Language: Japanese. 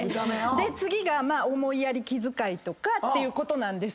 次が思いやり気遣いとかっていうことなんですけれども。